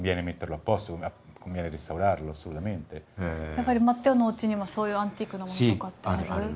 やっぱりマッテオのおうちにもそういうアンティークのものとかってある？